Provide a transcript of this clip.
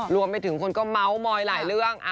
รวมไปถึงคนก็เมาส์มอยหลายเรื่อง